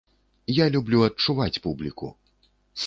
Я люблю адчуваць публіку.